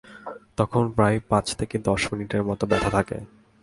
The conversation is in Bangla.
তখন প্রায় পাঁচ থেকে দশ মিনিটের মত ব্যথা থাকে।